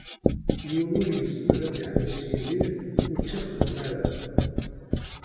Yiwen ur izemmer ad d-iḥbes Yidir ur tt-ixeddem ara.